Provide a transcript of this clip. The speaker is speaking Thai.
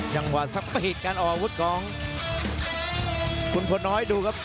จังหวะสปีดการออกอาวุธของคุณพลน้อยดูครับ